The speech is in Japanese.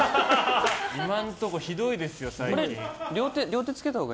今のところひどいですよ、最近。